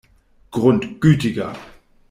Grundgütiger!